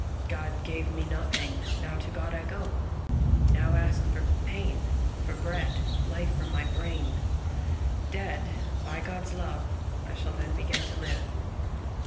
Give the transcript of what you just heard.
God gave me nothing ; now to God I go, Now ask for pain, for bread, Life for my brain : dead. By God's love I shall then begin to live."